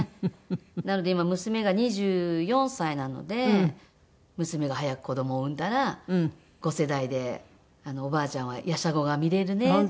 なので今娘が２４歳なので娘が早く子どもを産んだら５世代でおばあちゃんは玄孫が見れるねって。